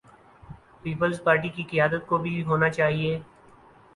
Peoples Party کی قیادت کو بھی ہونا چاہیے۔